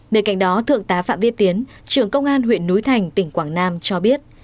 bên cạnh đó thượng tá phạm vi tiến trưởng công an huyện núi thành tỉnh quảng nam cho biết